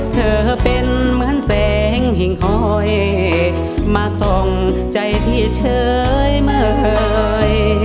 เธอเป็นเหมือนแสงหิ่งคอยมาส่องใจพี่เฉยเมื่อเคย